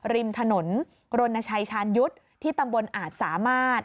ริมถนนรณชัยชาญยุทธ์ที่ตำบลอาจสามารถ